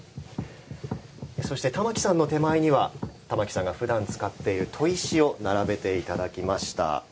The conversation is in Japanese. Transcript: そして、玉置さんの手前には玉置さんがふだん使っている砥石を並べていただきました。